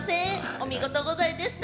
お見事でございました。